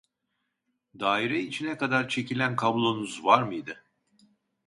Daire içine kadar çekilen kablonuz var mıydı